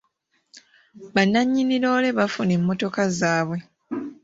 Bannannyini loole baafuna emmotoka zaabwe.